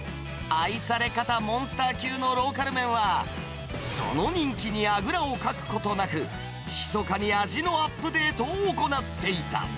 愛され方モンスター級のローカル麺は、その人気にあぐらをかくことなく、ひそかに味のアップデートを行っていた。